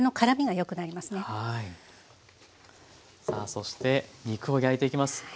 さあそして肉を焼いていきます。